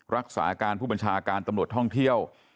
รักษาการผู้บัญชาการตำรวจท่องเที่ยว